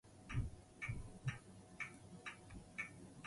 妹島和世